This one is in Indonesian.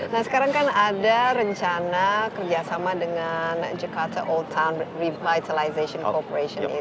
nah sekarang kan ada rencana kerjasama dengan jakarta old town revitalization corporation itu